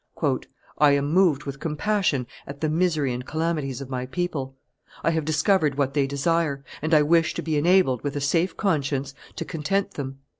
"I am moved with compassion at the misery and calamities of my people; I have discovered what they desire; and I wish to be enabled, with a safe conscience, to content them."